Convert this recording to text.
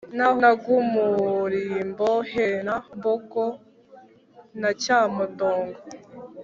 naho nangumurimbo, henambogo na cyamudongo